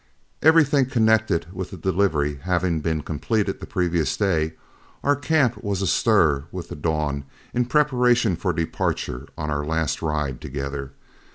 Everything connected with the delivery having been completed the previous day, our camp was astir with the dawn in preparation for departure on our last ride together.